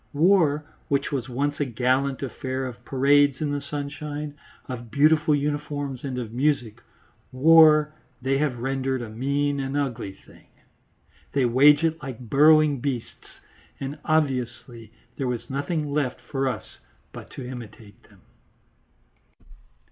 War, which was once a gallant affair of parades in the sunshine, of beautiful uniforms and of music, war they have rendered a mean and ugly thing. They wage it like burrowing beasts, and obviously there was nothing left for us but to imitate them.